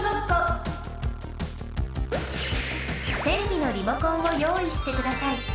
テレビのリモコンをよういしてください。